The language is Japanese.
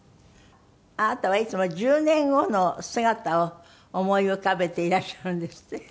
あなたはいつも１０年後の姿を思い浮かべていらっしゃるんですって？